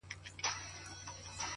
هغه مي سايلينټ سوي زړه ته،